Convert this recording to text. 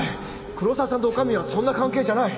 黒沢さんと女将はそんな関係じゃない